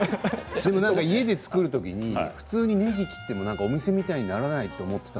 家で作るとき普通にねぎを切ってもお店のようにならないと思っていた。